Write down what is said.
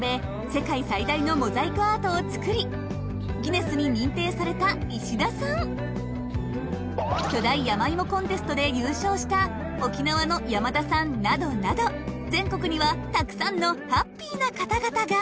世界最大のモザイクアートを作りギネスに認定された石田さん巨大山芋コンテストで優勝した沖縄の山田さんなどなど全国にはたくさんのハッピーな方々が。